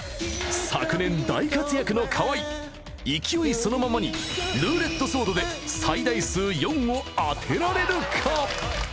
昨年大活躍の河合勢いそのままにルーレットソードで最大数４を当てられるか？